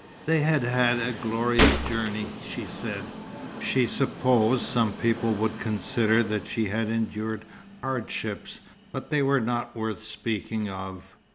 They had had a glorious journey, she said. She supposed some people would consider that she had endured hardships, but they were not worth speaking of.